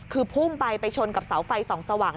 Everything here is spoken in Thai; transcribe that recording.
คือพุ่งไปไปชนกับเสาไฟส่องสว่าง